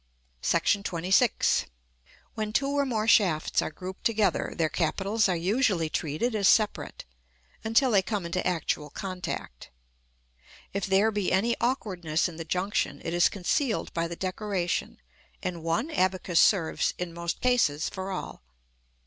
§ XXVI. When two or more shafts are grouped together, their capitals are usually treated as separate, until they come into actual contact. If there be any awkwardness in the junction, it is concealed by the decoration, and one abacus serves, in most cases, for all.